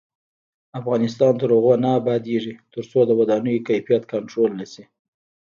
افغانستان تر هغو نه ابادیږي، ترڅو د ودانیو کیفیت کنټرول نشي.